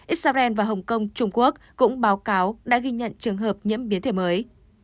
israel và hồng kông trung quốc cũng báo cáo đã ghi nhận trường hợp nhiễm biến thể mới